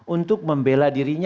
untuk membela dirinya